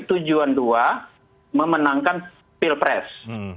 tujuan dua memenangkan pilpres